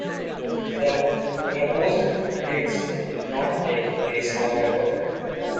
The proposed gigs did not take place however.